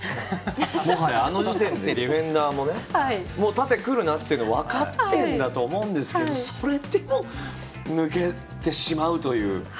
もはや、あの時点でディフェンダーももう縦来るなって分かってたと思うんですけどそれでも、抜けてしまうという。